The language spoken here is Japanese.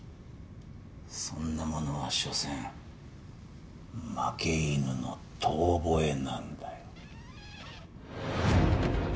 そんなものはしょせん負け犬の遠ぼえなんだよ。